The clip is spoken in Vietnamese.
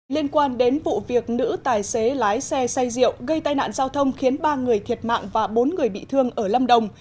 liên quan đến vụ việc nữ tài xế lái xe xay rượu gây tai nạn giao thông khiến ba người thiệt mạng và bốn người bị thương ở lâm đồng